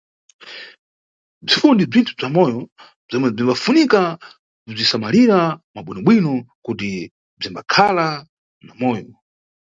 Bzifuwo ni bzinthu bza moyo bzomwe bzimbafunika kubzisamalira mwa bwinobwino kuti bzinkhala na moyo.